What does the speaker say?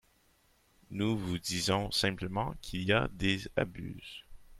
Nous vous disons simplement qu’il y a des abus.